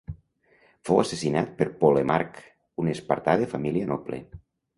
Fou assassinat per Polemarc, un espartà de família noble.